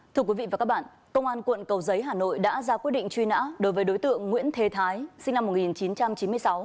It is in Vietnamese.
thưa quý vị và các bạn công an quận cầu giấy hà nội đã ra quyết định truy nã đối với đối tượng nguyễn thế thái sinh năm một nghìn chín trăm chín mươi sáu